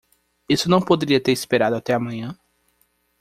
Isso não poderia ter esperado até a manhã?